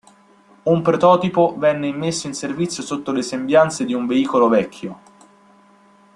Un prototipo venne immesso in servizio sotto le sembianze di un veicolo vecchio.